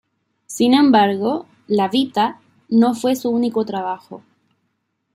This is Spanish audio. Sin embargo, la "Vita" no fue su único trabajo.